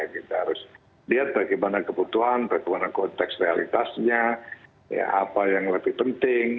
kita harus lihat bagaimana kebutuhan bagaimana konteks realitasnya apa yang lebih penting